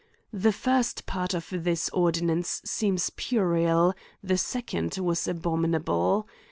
The first part of this ordinance seems puerile, the second was abominable.